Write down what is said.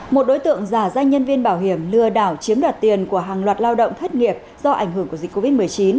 một đối tượng giả danh nhân viên bảo hiểm lừa đảo chiếm đoạt tiền của hàng loạt lao động thất nghiệp do ảnh hưởng của dịch covid một mươi chín